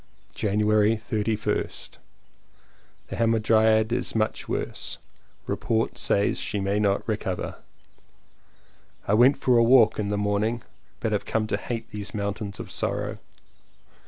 January 31st. The Hamadryad much worse. Report says she may not recover. I went a walk in the morning, but have come to hate these mountains of sorrow.